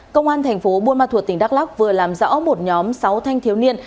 công an tp buôn ma thuật tỉnh đắk lóc vừa làm rõ một nhóm sáu thanh thiếu niên